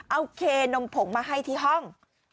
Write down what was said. เอาเคนมผงมาให้ที่ห้อง